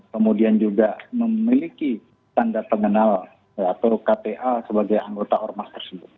kemudian juga memiliki tanda pengenal atau kta sebagai anggota ormas tersebut